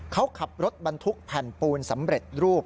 เขาขับรถบรรทุกแผ่นปูนสำเร็จรูป